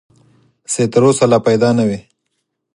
چې تر اوسه لا پیدا نه وي .